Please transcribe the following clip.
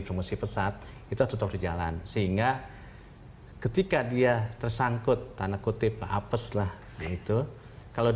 promosi pesat itu tetap di jalan sehingga ketika dia tersangkut tanah kutip apa setelah itu kalau